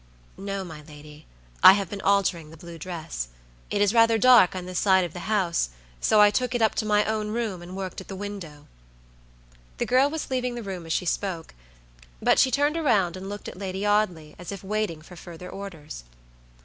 "No, my lady, I have been altering the blue dress. It is rather dark on this side of the house, so I took it up to my own room, and worked at the window." The girl was leaving the room as she spoke, but she turned around and looked at Lady Audley as if waiting for further orders.